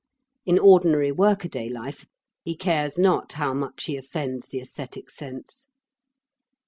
In ordinary workaday life he cares not how much he offends the aesthetic sense.